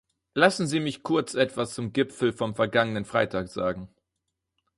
Lassen Sie mich kurz etwas zum Gipfel vom vergangenen Freitag sagen.